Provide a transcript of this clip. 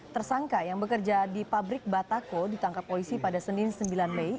tersangka yang bekerja di pabrik batako ditangkap polisi pada senin sembilan mei